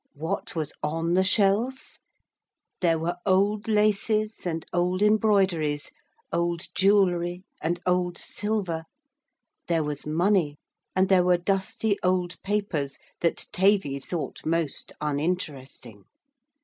What was on the shelves? There were old laces and old embroideries, old jewelry and old silver; there was money, and there were dusty old papers that Tavy thought most uninteresting.